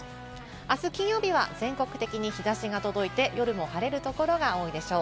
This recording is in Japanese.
あす金曜日は全国的に日差しが届いて、夜も晴れるところが多いでしょう。